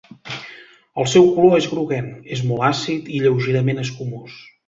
El seu color és groguenc, és molt àcid i lleugerament escumós.